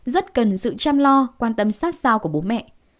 rất cần sự chăm lo quan tâm sát sao của bố mẹ